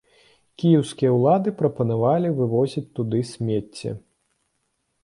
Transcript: Кіеўскія ўлады прапанавалі вывозіць туды смецце.